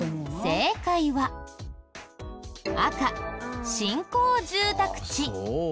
正解は赤新興住宅地。